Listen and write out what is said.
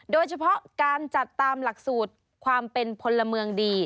โดยเฉพาะการจัดตามหลักสูตรความเป็นพลเมืองดี